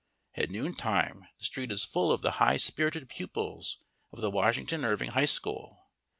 At noontime the street is full of the high spirited pupils of the Washington Irving High School.